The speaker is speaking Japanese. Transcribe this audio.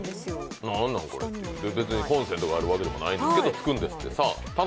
コンセントがあるわけでもないのにつくんですって。